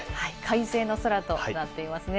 快晴の空となっていますね。